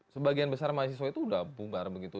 sebagian besar mahasiswa itu sudah bunggar begitu